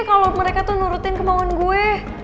kalau mereka tuh nurutin kemauan gue